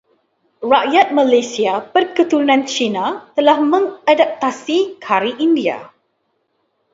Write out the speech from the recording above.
Rakyat Malaysia berketurunan Cina telah mengadaptasi Kari India.